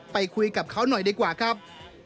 ไปคุยกับเขาหน่อยดีกว่าครับ